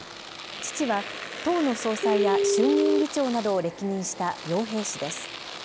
父は党の総裁や衆議院議長などを歴任した洋平氏です。